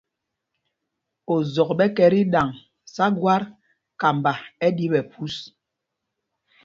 Ozɔk ɓɛ kɛ tí ɗaŋ sá gwát, kamba ɛ́ ɗí ɓɛ̌ phūs.